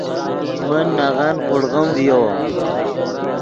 من نغن خوڑغیم ڤیو